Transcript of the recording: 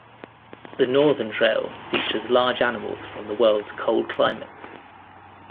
The Northern Trail features large animals from the worlds cold climates.